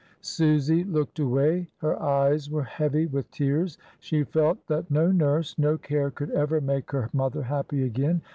Susy looked away, her eyes were heavy with tears, she felt that no nurse, no care could ever make her mother happy again.